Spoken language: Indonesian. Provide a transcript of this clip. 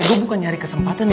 gue bukan nyari kesempatan